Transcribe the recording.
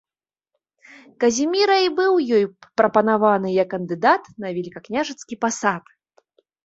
Казіміра і быў ёй прапанаваны як кандыдат на велікакняжацкі пасад.